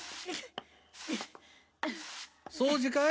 掃除かい？